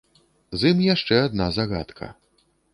З ім яшчэ адна загадка.